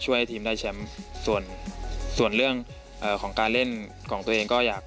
แล้วก็กำหนดทิศทางของวงการฟุตบอลในอนาคต